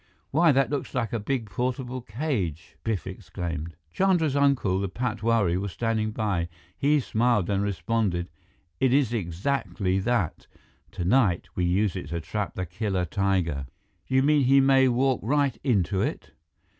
"Why, that looks like a big portable cage!" Biff exclaimed. Chandra's uncle, the patwari, was standing by. He smiled and responded, "It is exactly that. Tonight, we use it to trap the killer tiger." "You mean he may walk right into it?"